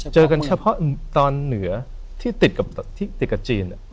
เจอกันเฉพาะตอนเหนือที่ติดกับจีน